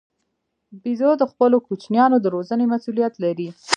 بیزو د خپلو کوچنیانو د روزنې مسوولیت لري.